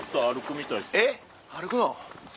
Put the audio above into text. えっ歩くの？